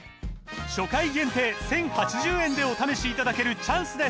初回限定１，０８０円でお試しいただけるチャンスです